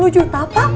dua puluh juta pak